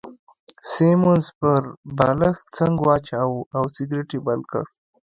سیمونز پر بالښت څنګ واچاوه او سګرېټ يې بل کړ.